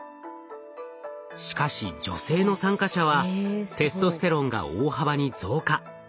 しかし女性の参加者はテストステロンが大幅に増加。